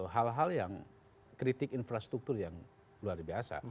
hal hal yang kritik infrastruktur yang luar biasa